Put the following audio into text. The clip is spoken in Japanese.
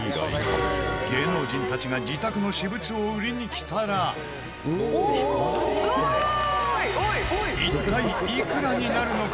芸能人たちが自宅の私物を売りに来たら一体、いくらになるのか？